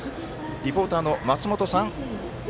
リポーターの、松本さん。